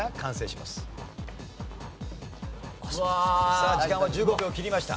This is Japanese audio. さあ時間は１５秒を切りました。